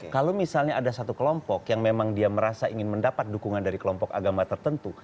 kalau misalnya ada satu kelompok yang memang dia merasa ingin mendapat dukungan dari kelompok agama tertentu